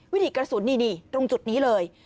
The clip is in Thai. วิถีกระสุนนี่ตรงจุดนี้เลย